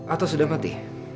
atau sudah mati